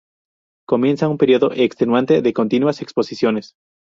Comienza un periodo extenuante de continuas exposiciones.